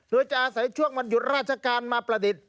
โดยจะอาศัยช่วงวันหยุดราชการมาประดิษฐ์